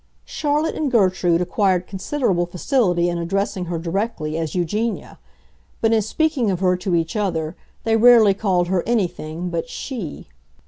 Charlotte and Gertrude acquired considerable facility in addressing her, directly, as "Eugenia;" but in speaking of her to each other they rarely called her anything but "she."